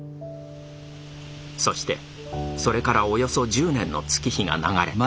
そしてそれからおよそ１０年の月日が流れた。